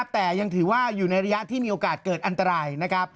แต่อยู่ในระยะที่มีโอกาสเกิดอันตราย